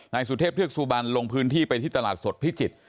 นายสุเทพเทือกสุบันลงพื้นที่ไปที่ตลาดสดพิจิตร